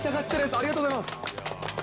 ありがとうございます。